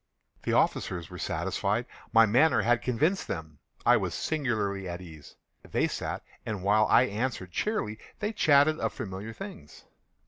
The officers were satisfied. My manner had convinced them. I was singularly at ease. They sat, and while I answered cheerily, they chatted of familiar things.